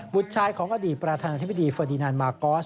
บุตรชายของอดีตประธานาธิบดีเฟอร์ดินันมากอส